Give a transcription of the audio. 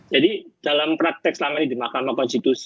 jadi dalam praktek selama ini di mk